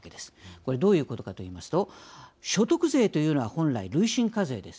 これどういうことかといいますと所得税というのは本来累進課税です。